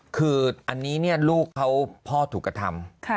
คืออันนี้เนี่ยลูกเขาพ่อถูกกระทำ